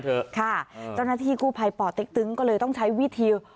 เจ้าหน้าที่กู้ภัยป่อเต็กตึงก็เลยต้องใช้วิธี